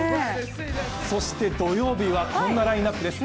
そして土曜日はこんなラインナップです。